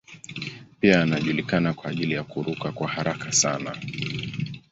Pia anajulikana kwa ajili ya kuruka kwa haraka sana.